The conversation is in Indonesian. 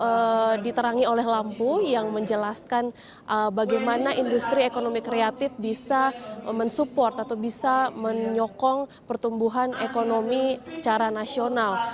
ini juga diterangi oleh lampu yang menjelaskan bagaimana industri ekonomi kreatif bisa mensupport atau bisa menyokong pertumbuhan ekonomi secara nasional